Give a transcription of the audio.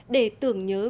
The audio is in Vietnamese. để tưởng nhớ việt nam